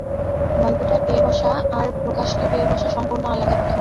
গল্পটায় পেয়ে-বসা আর প্রকাশকে পেয়ে-বসা সম্পূর্ণ আলাদা কথা।